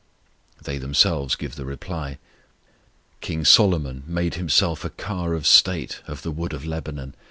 They themselves give the reply: King Solomon made himself a car of state Of the wood of Lebanon.